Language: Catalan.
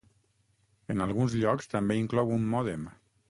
En alguns llocs també inclou un mòdem.